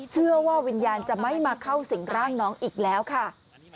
เชื่อว่าวิญญาณจะไม่มาเข้าสิ่งร่างน้องอีกแล้วค่ะ